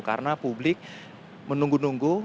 karena publik menunggu nunggu